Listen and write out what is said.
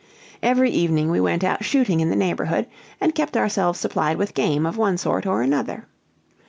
Every evening we went out shooting in the neighborhood, and kept ourselves supplied with game of one sort or another.